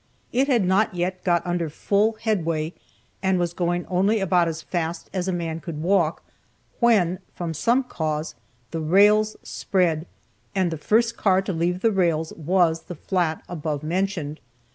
It had not yet got under full head way, and was going only about as fast as a man could walk, when, from some cause, the rails spread, and the first car to leave the rails was the flat above mentioned.